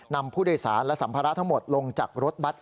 นำผู้โดยสารและสัมภาระทั้งหมดลงจากรถบัตร